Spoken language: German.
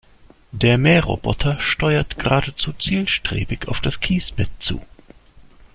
Der Mähroboter steuert geradezu zielstrebig auf das Kiesbett zu.